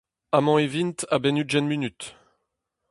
Amañ e vint a-benn ugent munut.